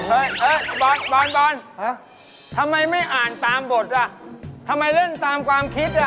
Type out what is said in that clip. เฮ้ยบอลบอลทำไมไม่อ่านตามบทอ่ะทำไมเล่นตามความคิดอ่ะ